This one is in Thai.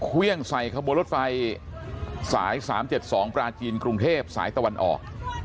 เครื่องใส่ขบวนรถไฟสาย๓๗๒ปลาจีนกรุงเทพสายตะวันออก